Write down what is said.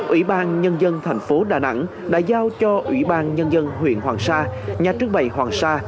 ủy ban nhân dân thành phố đà nẵng đã giao cho ủy ban nhân dân huyện hoàng sa nhà trương bày hoàng sa